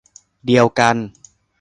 เดียวกัน